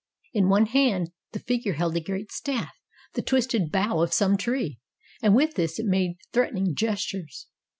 "In one hand the figure held a great staff, the twisted bough of some tree, and with this it made threatening gestures.